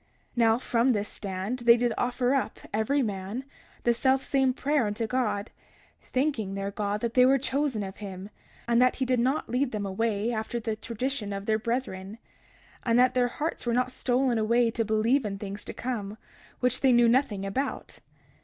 31:22 Now, from this stand they did offer up, every man, the selfsame prayer unto God, thanking their God that they were chosen of him, and that he did not lead them away after the tradition of their brethren, and that their hearts were not stolen away to believe in things to come, which they knew nothing about.